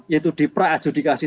yaitu di pra adjudikasi